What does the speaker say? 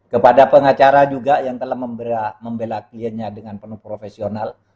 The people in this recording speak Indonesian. kepada pengacara juga yang telah membela kliennya dengan penuh profesional